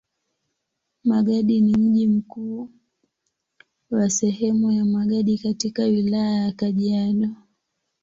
Magadi ni mji mkuu wa sehemu ya Magadi katika Wilaya ya Kajiado.